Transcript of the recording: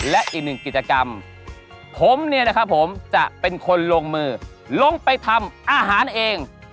และอีกหนึ่งกิจกรรมผมเนี่ยนะครับผมจะเป็นคนลงมือลงไปทำอาหารเอง